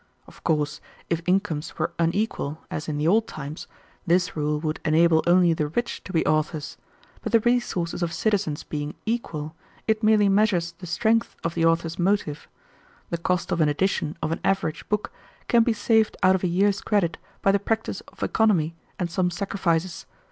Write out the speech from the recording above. Of course, if incomes were unequal, as in the old times, this rule would enable only the rich to be authors, but the resources of citizens being equal, it merely measures the strength of the author's motive. The cost of an edition of an average book can be saved out of a year's credit by the practice of economy and some sacrifices.